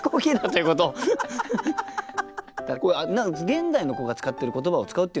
現代の子が使ってる言葉を使うっていうのも？